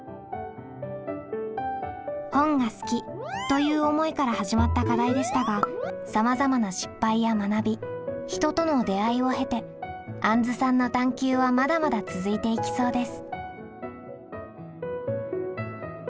「本が好き」という思いから始まった課題でしたがさまざまな失敗や学び人との出会いを経てあんずさんの探究はまだまだ続いていきそうです。